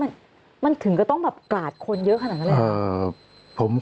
มันถึงก็ต้องแบบกราดคนเยอะขนาดนั้นเลยเหรอ